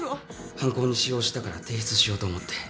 犯行に使用したから提出しようと思って。